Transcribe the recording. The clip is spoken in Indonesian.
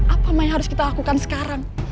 apa yang harus kita lakukan sekarang